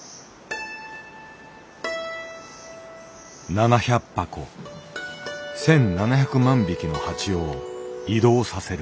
７００箱１，７００万匹の蜂を移動させる。